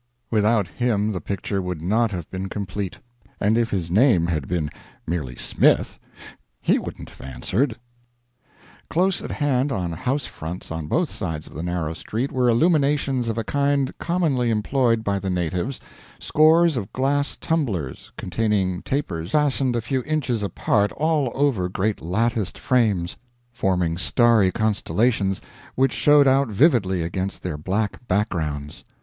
Without him the picture would not have been complete; and if his name had been merely Smith, he wouldn't have answered. Close at hand on house fronts on both sides of the narrow street were illuminations of a kind commonly employed by the natives scores of glass tumblers (containing tapers) fastened a few inches apart all over great latticed frames, forming starry constellations which showed out vividly against their black backgrounds.